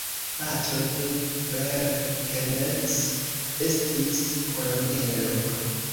Patro de Claire Kenneth estis kolonelo.